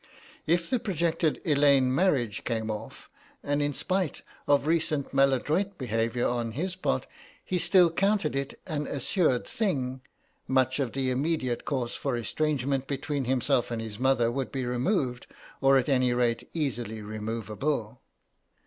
If the projected Elaine marriage came off, and in spite of recent maladroit behaviour on his part he still counted it an assured thing, much of the immediate cause for estrangement between himself and his mother would be removed, or at any rate, easily removable.